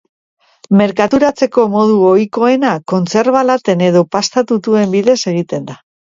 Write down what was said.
Merkaturatzeko modu ohikoena kontserba-laten edo pasta-tutuen bidez egiten da.